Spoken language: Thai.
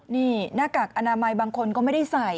นี่หน้ากากอนามัยบางคนก็ไม่ได้ใส่